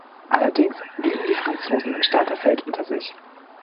Allerdings blieben die Franzosen im Starterfeld unter sich.